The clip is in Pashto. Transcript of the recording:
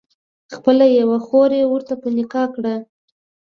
خپله یوه خور یې ورته په نکاح کړه.